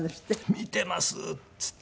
「見てます！」って言って。